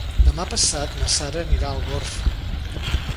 Demà passat na Sara anirà a Algorfa.